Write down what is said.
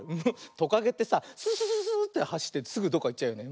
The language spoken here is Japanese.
トカゲってさススススーッてはしってすぐどっかいっちゃうよね。